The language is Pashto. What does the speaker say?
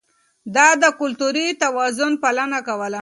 ده د کلتوري توازن پالنه کوله.